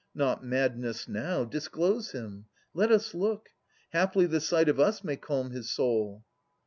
Not madness now. Disclose him. Let us look. Haply the sight of us may calm his soul.